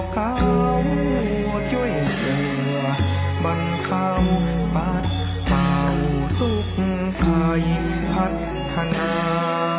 เจ้าหัวจ้วยเหงื่อบรรเผาบาดเผาทุกข่ายพัฒนา